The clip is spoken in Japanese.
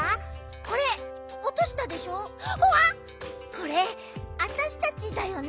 これわたしたちだよね。